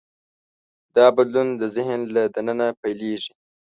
دا بدلون د ذهن له دننه پیلېږي.